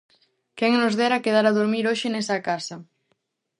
Quen nos dera quedar a durmir hoxe nesa casa!